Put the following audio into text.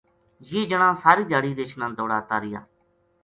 یہ جنا ساری دھیاڑی رِچھ نا دوڑاتا ریہا